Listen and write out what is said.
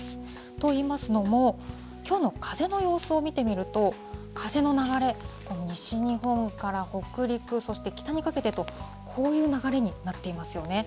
といいますのも、きょうの風の様子を見てみると、風の流れ、西日本から北陸、そして北にかけてと、こういう流れになっていますよね。